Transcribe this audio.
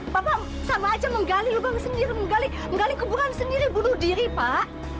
bapak sama aja menggali lubang sendiri menggali kuburan sendiri bunuh diri pak